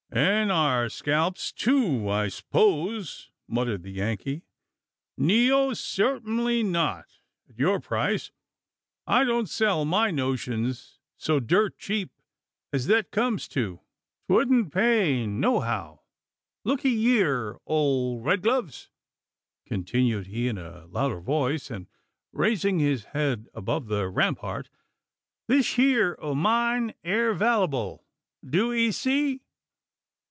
"An' our scalps too, I s'pose," muttered the Yankee. "Neo, certingly not, at your price: I don't sell my notions so dirt cheep as thet comes to. 'Twouldn't pay nohow. Lookee yeer, old red gloves!" continued he in a louder voice, and raising his head above the rampart "this heer o' mine air vallable, do ee see?